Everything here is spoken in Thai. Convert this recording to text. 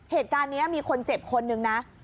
เหตุการณ์นี้มีคนเจ็บคนนึงนะ